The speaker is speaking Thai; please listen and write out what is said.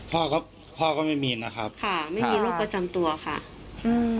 พ่อก็พ่อก็ไม่มีนะครับค่ะไม่มีโรคประจำตัวค่ะอืม